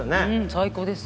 最高です。